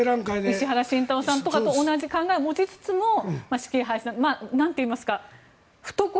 石原慎太郎さんたちと同じ考えを持ちつつも懐の深さといいますか。